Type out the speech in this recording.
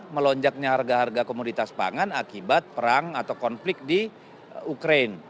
melonjaknya harga harga komoditas pangan akibat perang atau konflik di ukraine